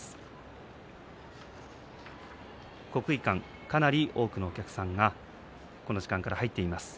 国技館は多くのお客さんがこの時間から入っています。